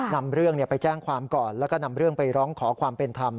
นำเรื่องไปแจ้งความก่อนแล้วก็นำเรื่องไปร้องขอความเป็นธรรม